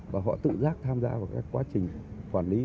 và họ tự giác tham gia vào cái quá trình quản lý